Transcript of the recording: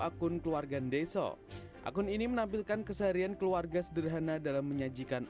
akun keluarga ndeso akun ini menampilkan keseharian keluarga sederhana dalam menyajikan